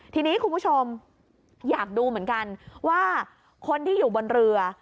ทีนี้คุณผู้ชมอยากดูเหมือนกันว่าคนที่อยู่บนเรือ